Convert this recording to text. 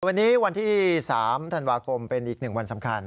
วันนี้วันที่๓ธันวาคมเป็นอีก๑วันสำคัญ